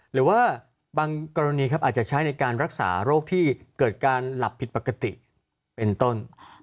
หรือว่าบางกรณีอาจจะใช้ในการรักษาโรคที่เกิดการหลับผิดปกติเป็นต้น